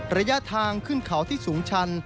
ระยะทางขึ้นเขาที่สูงชัน